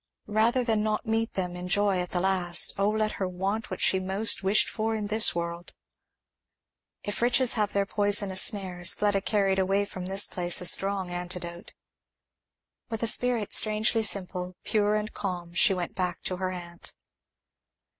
Rather than not meet them in joy at the last, oh let her want what she most wished for in this world. If riches have their poisonous snares, Fleda carried away from this place a strong antidote. With a spirit strangely simple, pure, and calm she went back to her aunt.